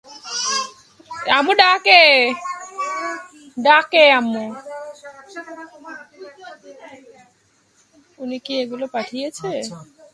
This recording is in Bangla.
ওনি কি এগুলো পাঠিয়েছে?